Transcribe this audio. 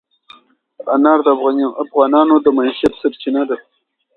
انار د افغانانو د معیشت سرچینه ده.